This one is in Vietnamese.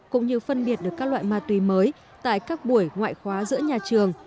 cũng như phân biệt được các loại ma túy mới tại các buổi ngoại khóa giữa nhà trường